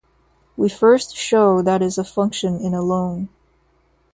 We first show that is a function in alone.